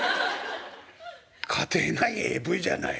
「家庭内ＡＶじゃない。